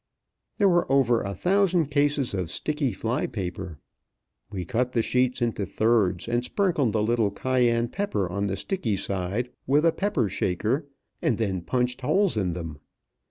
There were over a thousand cases of sticky fly paper. We cut the sheets into thirds, and sprinkled a little cayenne pepper on the sticky side with a pepper shaker, and then punched holes in them.